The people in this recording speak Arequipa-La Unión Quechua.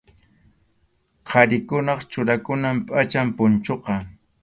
Qharikunap churakunan pʼacham punchuqa.